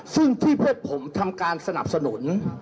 ซึ่งที่พวกผมทำการสนับสนุน